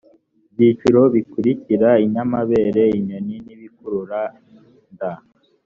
byiciro bikurikira inyamabere inyoni n ibikururanda